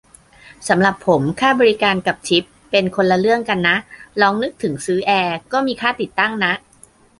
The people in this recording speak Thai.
สำหรับผม ค่าบริการ กับ ทิป เป็นคนละเรื่องกันนะ ลองนึกถึงซื้อแอร์ ก็มีค่าติดตั้งนะ